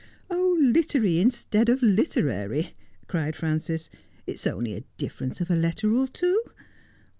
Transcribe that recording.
' Littery instead of literary,' cried Frances. ' It's only a difference of a letter or two.